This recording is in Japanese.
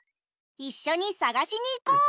いっしょにさがしにいこう！